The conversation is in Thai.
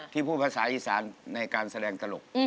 พูดภาษาอีสานในการแสดงตลก